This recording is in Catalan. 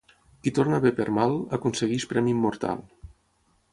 Qui torna bé per mal, aconsegueix premi immortal.